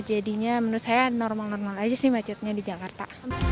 jadinya menurut saya normal normal aja sih macetnya di jakarta